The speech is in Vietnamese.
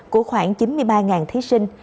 của khoảng chín mươi ba thí sinh